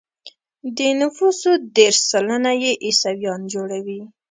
د نفوسو دېرش سلنه يې عیسویان جوړوي.